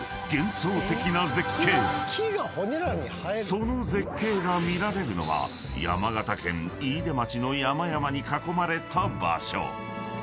［その絶景が見られるのは山形県飯豊町の山々に囲まれた場所］